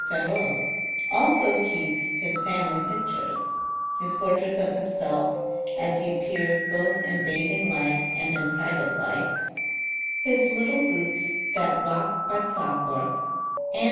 F6roce also keeps his family pictures, his portraits of himself as he appears both in bathing life and in private life, his little boats that rod: by clockwork, and his other